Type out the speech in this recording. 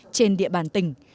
trên địa bàn tỉnh